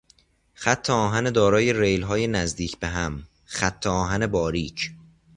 خط آهن دارای ریلهای نزدیک به هم، خطآهن باریک